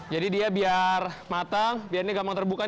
jadi kerang ini biar matang biar mudah terbuka